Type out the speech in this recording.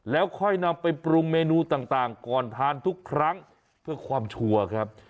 แล้วค่อยนำไปปรุงเมนูต่างก่อนทานทุกครั้งเพื่อความชัวร์ครับ